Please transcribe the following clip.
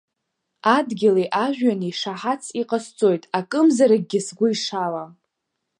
Адгьыли ажәҩани шаҳаҭс иҟасҵоит акымзаракгьы сгәы ишалам!